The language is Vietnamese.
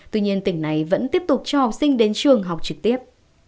tuy nhiên tỉnh này vẫn tiếp tục cho học sinh đến trường học trực tiếp